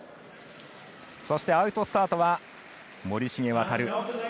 そして、アウトスタートは森重航。